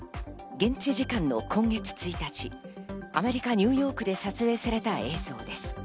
現地時間の今月１日、アメリカ・ニューヨークで撮影された映像です。